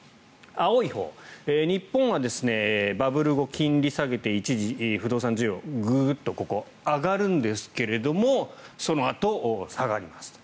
青いほう日本はバブル後、金利を下げて一時、不動産需要がグーッとここ、上がるんですがそのあと、下がりますと。